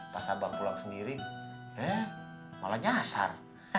pas abang pulang sendiri malah nyasar